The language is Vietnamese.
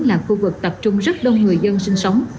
là khu vực tập trung rất đông người dân sinh sống